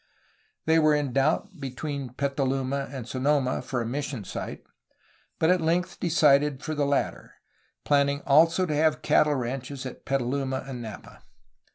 They were in doubt between Petaluma and Sonoma for a mission site, but at length decided for the latter, planning also to have cattle ranches at Petaluma and Napa.